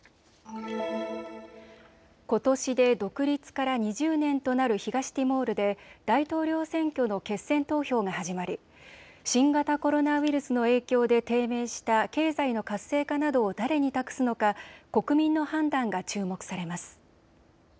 ことしで独立から２０年となる東ティモールで大統領選挙の決選投票が始まり新型コロナウイルスの影響で低迷した経済の活性化などを誰に託すのか、国民の判断が注目されます。